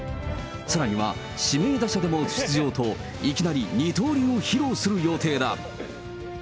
さらには指名打者でも出場と、いきなり二刀流を披露する予定だ。